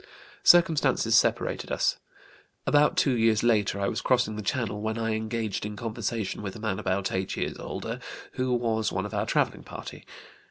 Circumstances separated us. About two years later I was crossing the Channel when I engaged in conversation with a man about eight years older, who was one of our travelling party.